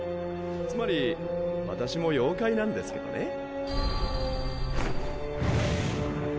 つまり私も妖怪なんですけどね。